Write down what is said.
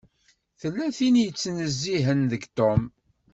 Tella tin i yettnezzihen deg Tom.